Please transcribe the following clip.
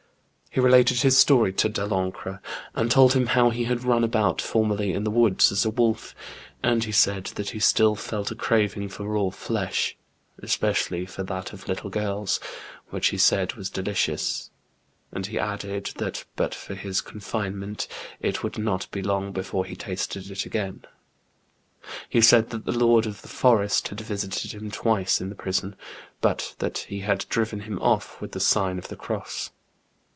He related his story to Delancre, and 7 98 THE BOOK OF WERE W0LVB8. told him how he hod rnn about formerly in the woods as a wolf, and he said that he still felt a craving for raw flesh, especially for that of little girls, which he said wafl delicious, and he added that but for his confinement it would not be long before he tasted it again. He said that the Lord of the Forest had visited him twice in the prison, but that he had driven him oflf with the sign of the cross.